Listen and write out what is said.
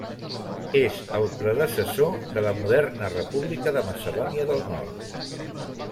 És el predecessor de la moderna República de Macedònia del Nord.